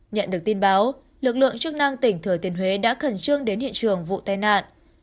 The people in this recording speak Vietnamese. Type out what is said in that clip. nhận được tin báo lực lượng chức năng tỉnh thừa thiên huế đã khẩn trương đến hiện trường vụ tai nạn